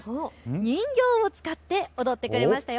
人形を使って踊ってくれますよ。